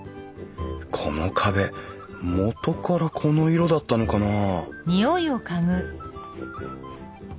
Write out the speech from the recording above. この壁元からこの色だったのかな？